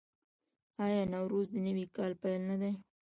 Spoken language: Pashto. آیا نوروز د نوي کال پیل نه دی؟